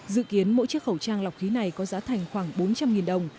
dự kiến mỗi chiếc khẩu trang lọc khí này có giá thành khoảng bốn trăm linh đồng